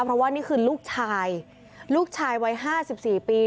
เพราะว่านี่คือลูกชายลูกชายวัย๕๔ปี